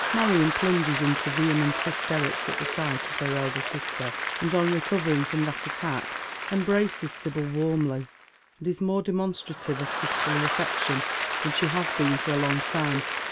Marion plunges into vehement hysterics at sight of her elder sister, and on recovering from that attack embraces Sibyl warmly, and is more demonstrative of sisterly alTection than she has been for a long time.